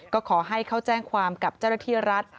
ก็ขอให้เขาแจ้งความกับเจ้าหน้าที่รัฐ